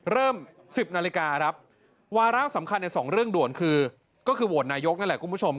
เริ่ม๑๐นาฬิกาครับวาระสำคัญในสองเรื่องด่วนคือก็คือโหวตนายกนั่นแหละคุณผู้ชม